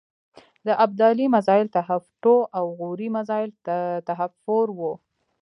د ابدالي میزایل حتف ټو او غوري مزایل حتف فور و.